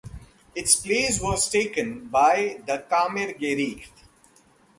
Its place was taken by the "Kammergericht".